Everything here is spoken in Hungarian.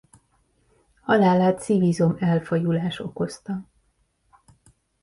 Halálát szívizom-elfajulás okozta.